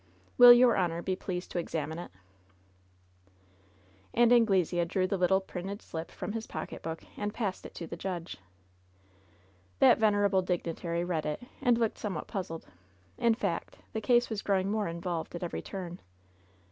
Will your honor be pleased to examine it ?" And Anglesea drew the little printed slip from his pocketbook, and passed it to the judge. That venerable dignitary read it, and looked some what puzzled. In fact, the case was growing more in volved at every turn.